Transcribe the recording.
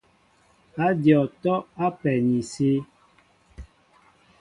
Ádyɔŋ atɔ́' á pɛ ni sí.